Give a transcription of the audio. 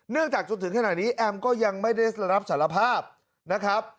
เนื่องจากจนถึงแค่หนักนี้แอมก็ยังไม่ได้รับสารภาพนะครับ